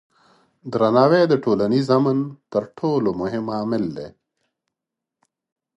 درناوی د ټولنیز امن تر ټولو مهم عامل دی.